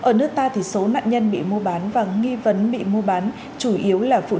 thưa quý vị trong những năm gần đây tội phạm mua bán người tại việt nam và trên thế giới diễn ra phức tạp